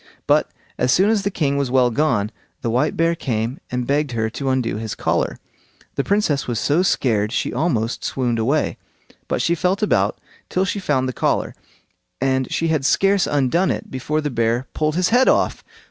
But as soon as the king was well gone, the white bear came and begged her to undo his collar. The Princess was so scared she almost swooned away; but she felt about till she found the collar, and she had scarce undone it before the bear pulled his head off.